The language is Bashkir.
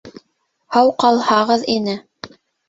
Һау ҡалһағыҙ ине.